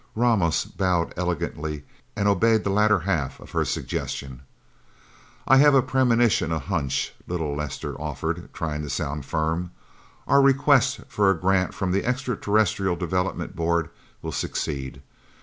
Ramos bowed elegantly, and obeyed the latter half of her suggestion. "I have a premonition a hunch," little Lester offered, trying to sound firm. "Our request for a grant from the Extra Terrestrial Development Board will succeed.